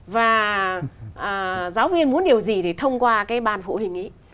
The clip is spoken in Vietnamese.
và giáo viên muốn điều gì thì thông qua cái ban phụ huynh ấy